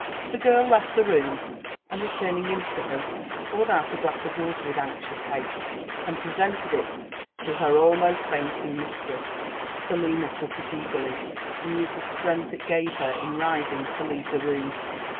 The girl left the room, and returning instantly, poured out a^ glass of water with anxious tiaste,. and presetfteA it to her almost feinting mistress. Selina took iteagerly, aM )Qsed the strength it gave her in rising to leaVethe room.